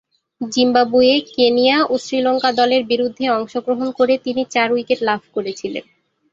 Zimbabwe, Kenya ও শ্রীলঙ্কা দলের বিরুদ্ধে অংশগ্রহণ করে তিনি চার উইকেট লাভ করেছিলেন।